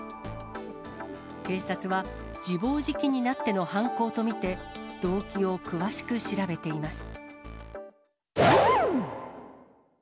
警察は、自暴自棄になっての犯行と見て、動機を詳しく調べています。